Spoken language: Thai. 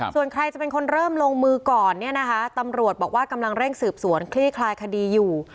ส่วนใครจะเป็นคนเริ่มลงมือก่อนเนี่ยนะคะตำรวจบอกว่ากำลังเร่งสืบสวนคลี่คลายคดีอยู่